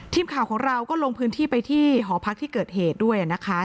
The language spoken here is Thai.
ทีมข่าวของเราก็ลงพื้นที่ไปที่หอพักที่เกิดเหตุด้วยนะคะ